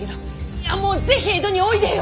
いやもうぜひ江戸においでよ！